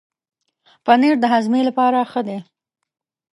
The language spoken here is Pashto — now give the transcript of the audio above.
پنېر د هاضمې لپاره ښه دی.